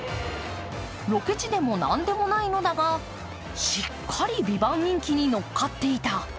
ロケ地でも何でもないのだがしっかり「ＶＩＶＡＮＴ」人気に乗っかっていた。